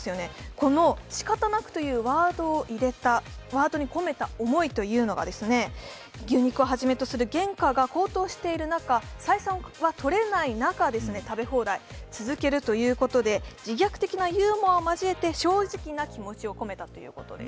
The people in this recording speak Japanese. この「仕方なく」というワードに込めた思いというのが牛肉をはじめとする原価が高騰している中、採算が取れない中食べ放題続けるということで、自虐的なユーモアを交えて正直な気持ちを出したということです。